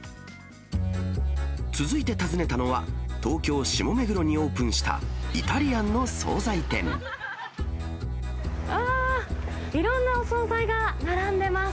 続いて訪ねたのは、東京・下目黒にオープンしたイタリアンの総菜ああ、いろんなお総菜が並んでます。